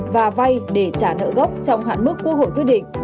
và vay để trả nợ gốc trong hạn mức quốc hội quyết định